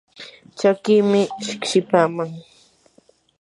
chakiimi shiqshipaaman